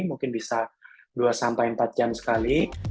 mungkin bisa dua empat jam sekali